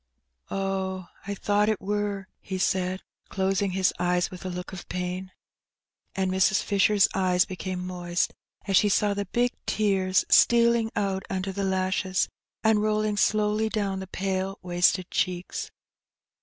Oh, I thought it wur," he said, closing his eyes with a look of pain. And Mrs. Fisher's eyes became moist, as she saw the big tears stealing out under the lashes, and rolling slowly down the pale wasted cheeks.